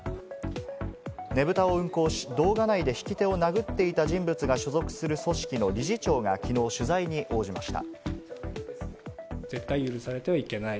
ねぶたを運行し、動画内で引き手を殴っていた人物が所属する組織の理事長がきのう取材に応じました。